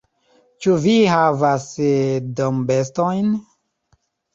Ĉu vi havas dombestojn?